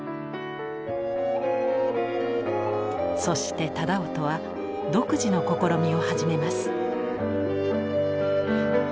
そして楠音は独自の試みを始めます。